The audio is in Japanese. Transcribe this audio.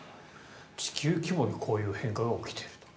地球規模でこういう変化が起きていると。